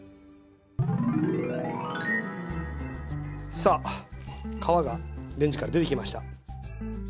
さあ皮がレンジから出てきました。